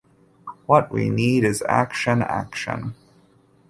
What we need is action-action!